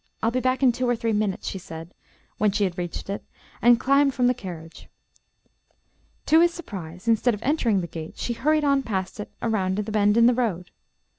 I'll be back in two or three minutes," she said, when she had reached it, and climbed from the carriage. To his surprise, instead of entering the gate, she hurried on past it, around the bend in the road.